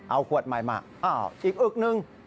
เอาขวดใหม่มาอ้าวอีกอึกหนึ่ง